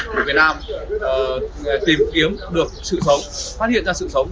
tìm kiếm được sự sống phát hiện ra sự sống